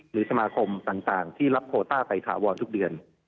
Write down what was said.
หรือสมาคมต่างที่รับโคต้าไปถาวรทุกเดือน